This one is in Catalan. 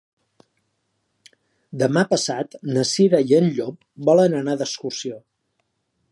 Demà passat na Cira i en Llop volen anar d'excursió.